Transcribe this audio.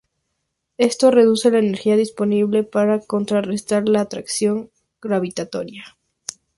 Esto reduce la energía disponible para contrarrestar la atracción gravitatoria.